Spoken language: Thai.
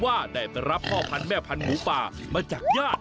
ว่าได้ไปรับพ่อพันธุแม่พันธุ์หมูป่ามาจากญาติ